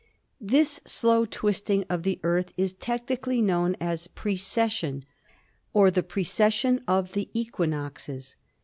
This slow twisting of the Earth is technically known as precession, or the precession of the equinoxes.